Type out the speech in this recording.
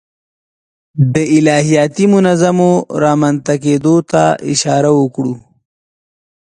د الهیاتي منظومو رامنځته کېدو ته اشاره وکړو.